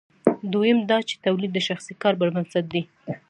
دویم دا چې تولید د شخصي کار پر بنسټ دی.